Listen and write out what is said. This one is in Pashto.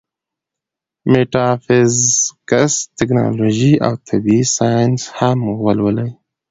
ميټافزکس ، تيالوجي او طبعي سائنس هم ولولي